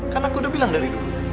karena aku udah bilang dari dulu